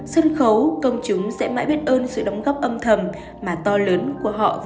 sân khấu công chúng sẽ mãi biết ơn sự đóng góp âm thầm mà to lớn của họ với văn hóa nghệ thuật nước nhà